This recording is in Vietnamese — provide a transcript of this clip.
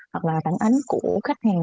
hoặc là tản ánh của khách hàng